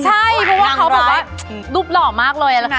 ใช่เพราะว่าเขาบอกว่ารูปหล่อมากเลย